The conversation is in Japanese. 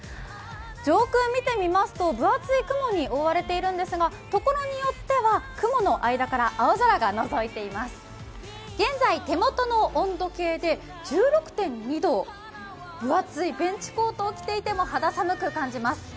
上空見てみますと、分厚い雲に覆われているんですが、所によっては雲の間から青空がのぞいています現在、手元の温度計で１６．２度、分厚いベンチコートを着ていても肌寒く感じます。